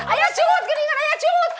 ayah curut ayah curut